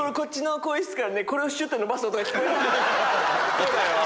そうだよ。